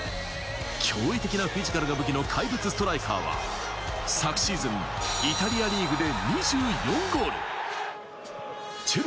驚異的なフィジカルが武器のストライカーは、昨シーズン、イタリアリーグで２４ゴール。